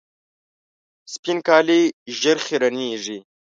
سپین کالي ژر خیرنېږي.